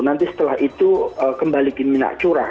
nanti setelah itu kembalikan minyak curah